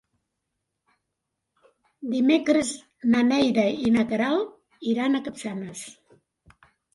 Dimecres na Neida i na Queralt iran a Capçanes.